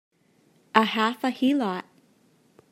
A half a heelot!